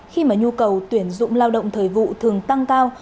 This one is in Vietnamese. khi mà nhu cầu tuyển dụng lao động thời vụ thường tăng cao